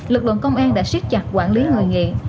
lực lượng công an đã siết chặt quản lý người nghiện